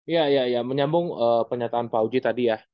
ya ya ya menyambung penyataan pak uji tadi ya